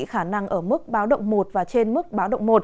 khả năng ở mức báo động một và trên mức báo động một